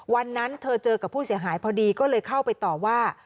วันนั้นเธอเจอกับผู้เสียหายพอดีก็เลยเข้าไปต่อว่า